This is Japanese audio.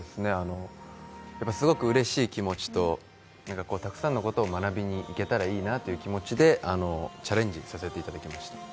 すごくうれしい気持ちと、たくさんのことを学びにいけたらいいなという気持ちでチャレンジさせていただきました。